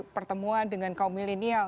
pertemuan dengan kaum milenial